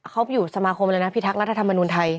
เขาอยู่สมาคมเลยนะพิทักราธรรมนมนุนไทย